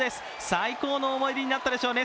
最高の思い出になったでしょうね。